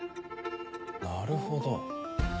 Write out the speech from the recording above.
なるほど。